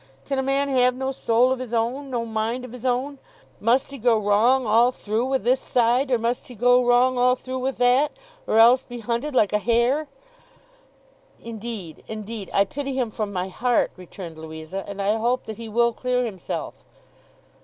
Can a man have no soul of his own, no mind of his own? Must he go wrong all through wi' this side, or must he go wrong all through wi' that, or else be hunted like a hare?' 'Indeed, indeed, I pity him from my heart,' returned Louisa; 'and I hope that he will clear himself.